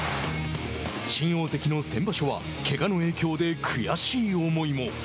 新大関の先場所はけがの影響で悔しい思いも。